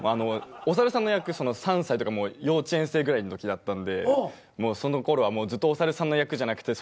お猿さんの役３歳とか幼稚園生ぐらいのときだったんでそのころはずっとお猿さんの役じゃなくて。